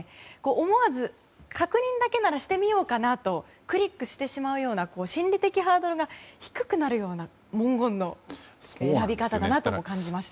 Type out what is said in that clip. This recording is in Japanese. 思わず、確認だけならしてみようかなとクリックしてしまう心理的ハードルが低くなるような文言の選び方だなとも感じました。